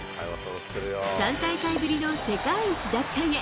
３大会ぶりの世界一奪還へ。